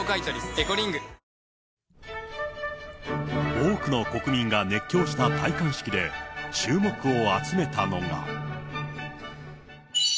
多くの国民が熱狂した戴冠式で、注目を集めたのが。